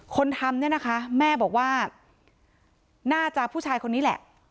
คนทำเนี่ยนะคะแม่บอกว่าน่าจะผู้ชายคนนี้แหละ